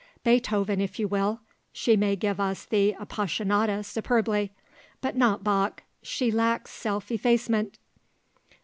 Beethoven, if you will; she may give us the Appassionata superbly; but not Bach; she lacks self effacement."